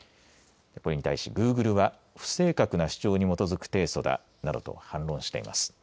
これに対しグーグルは不正確な主張に基づく提訴だなどと反論しています。